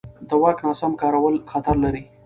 د واک ناسم کارول خطر لري